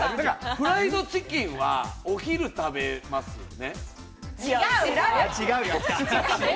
フライドチキンは、お昼食べますよね。